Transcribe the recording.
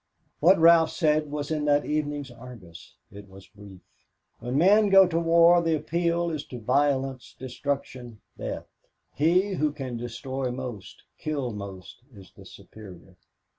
What Ralph said was in that evening's Argus. It was brief. "When men go to war the appeal is to violence, destruction, death. He who can destroy most, kill most, is the superior.